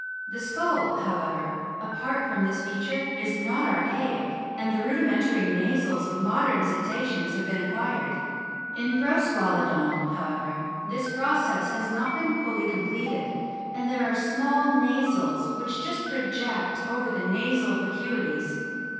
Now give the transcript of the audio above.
The skull, however, apart from this feature, is not archaic, and the rudimentary nasals of modern Cetaceans have been acquired. In Prosqualodon, however, this 37 308 A BOOK OF WHALES process has not been fully completed, and there are small nasals which just project over the nasal vacuities.